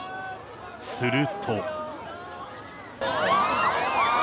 すると。